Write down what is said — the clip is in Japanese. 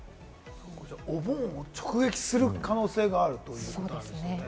お盆を直撃する可能性があるということなんですよね。